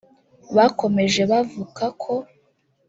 Bakomeje bavuka ko